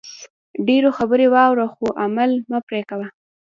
ډېرو خبرې واوره خو عمل مه پرې کوئ